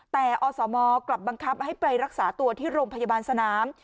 แต่อสมกลับบังคับให้ไปรักษาตัวที่โรงพยาบาลสนาม